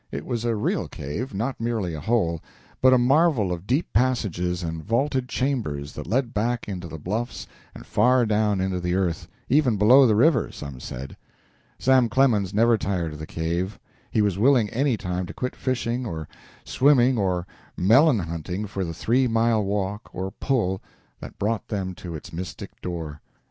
It was a real cave, not merely a hole, but a marvel of deep passages and vaulted chambers that led back into the bluffs and far down into the earth, even below the river, some said. Sam Clemens never tired of the cave. He was willing any time to quit fishing or swimming or melon hunting for the three mile walk, or pull, that brought them to its mystic door.